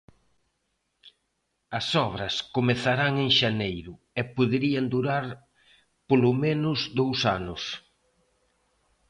As obras comezarán en xaneiro e poderían durar polo menos dous anos.